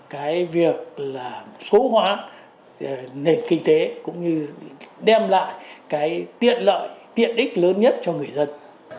cái việc là số hóa nền kinh tế cũng như đem lại cái tiện lợi tiện ích lớn nhất cho người dân